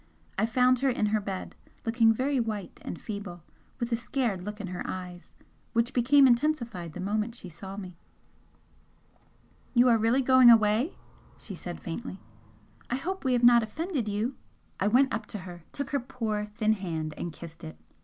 I found her in her bed, looking very white and feeble, with a scared look in her eyes which became intensified the moment she saw me. "You are really going away?" she said, faintly "I hope we have not offended you?" I went up to her, took her poor thin hand and kissed it.